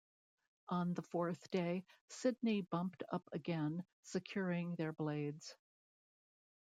On the fourth day, Sidney bumped up again, securing their blades.